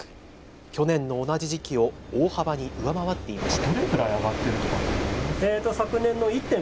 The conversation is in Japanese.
去年の同じ時期を大幅に上回っていました。